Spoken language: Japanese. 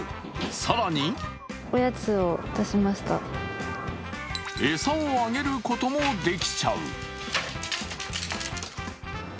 更に餌をあげることもできちゃう。